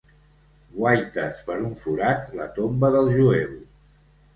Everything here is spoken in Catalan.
Guaites per un forat la tomba del Jueu